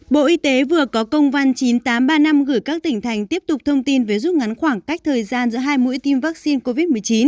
bộ y tế vừa có công văn chín nghìn tám trăm ba mươi năm gửi các tỉnh thành tiếp tục thông tin về rút ngắn khoảng cách thời gian giữa hai mũi tiêm vaccine covid một mươi chín